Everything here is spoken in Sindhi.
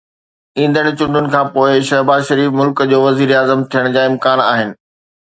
ايندڙ چونڊن کانپوءِ شهباز شريف ملڪ جو وزيراعظم ٿيڻ جا تمام امڪان آهن.